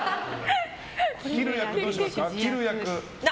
切る役、どうしますか？